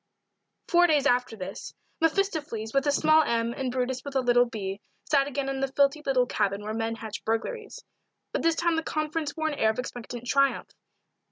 FOUR days after this, mephistopheles with a small m and brutus with a little b sat again in the filthy little cabin where men hatch burglaries but this time the conference wore an air of expectant triumph.